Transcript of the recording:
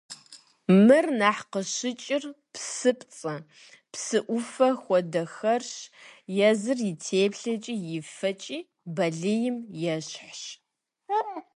Мыр нэхъ къыщыкӏыр псыпцӏэ, псы ӏуфэ хуэдэхэрщ, езыр и теплъэкӏи и фэкӏи балийм ещхьщ.